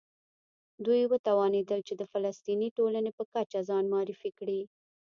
دوی وتوانېدل چې د فلسطیني ټولنې په کچه ځان معرفي کړي.